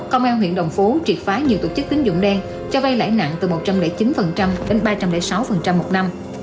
công an huyện đồng phú triệt phá nhiều tổ chức tín dụng đen cho vay lãi nặng từ một trăm linh chín đến ba trăm linh sáu một năm